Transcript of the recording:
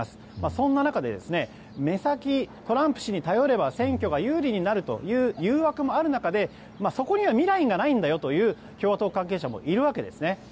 そんな中で、目先トランプ氏に頼れば選挙が有利になるという誘惑もある中でそこには未来がないんだよという共和党関係者もいるわけですね。